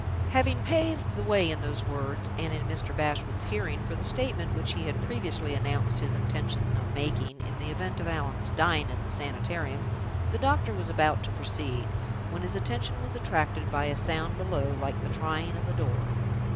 Having paved the way in those words (and in Mr. Bashwood's hearing) for the statement which he had previously announced his intention of making, in the event of Allan's dying in the Sanitarium, the doctor was about to proceed, when his attention was attracted by a sound below like the trying of a door.